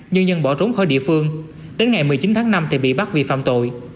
như nhân bỏ trốn khỏi địa phương đến ngày một mươi chín tháng năm thì bị bắt vì phạm tội